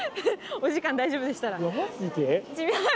お時間大丈夫でしたら。